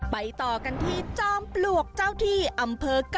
ไปต่อกันที่จองปลวกเจ้าที่อำเภอกันนะครับ